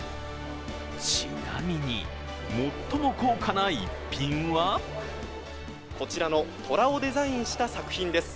ちなみに最も高価な逸品はこちらの虎をデザインした作品です。